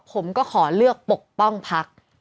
ผมก็ขอเลือกปกป้องพัก